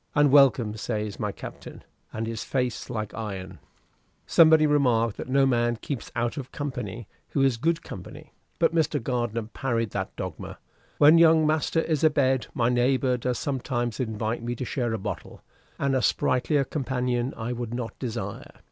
'And welcome,' says my Captain, and his face like iron." Somebody remarked that no man keeps out of company who is good company; but Mr. Gardiner parried that dogma. "When young master is abed, my neighbor does sometimes invite me to share a bottle; and a sprightlier companion I would not desire.